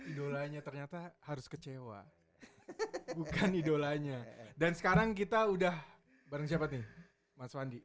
idolanya ternyata harus kecewa bukan idolanya dan sekarang kita udah bareng siapa nih mas wandi